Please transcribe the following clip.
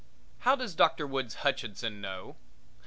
How does Dr. Woods Hutchinson know?